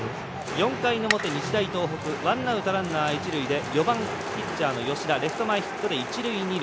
４回の表、日大東北ワンアウト、ランナー、一塁で４番ピッチャーの吉田レフト前ヒットで一塁二塁。